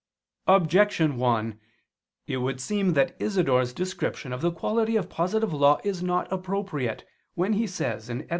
Objection 1: It would seem that Isidore's description of the quality of positive law is not appropriate, when he says (Etym.